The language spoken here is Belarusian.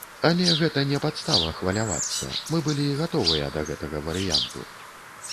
Але гэта не падстава хвалявацца, мы былі гатовыя да гэтага варыянту.